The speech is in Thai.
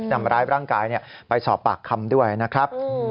ทำร้ายร่างกายไปสอบปากคำด้วยนะครับ